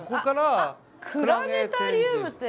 あっ「クラネタリウム」って。